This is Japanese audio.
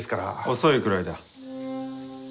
遅いくらいだ。